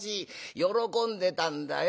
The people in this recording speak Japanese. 喜んでたんだよ。